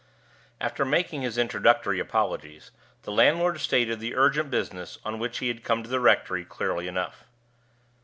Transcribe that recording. After making his introductory apologies, the landlord stated the urgent business on which he had come to the rectory clearly enough.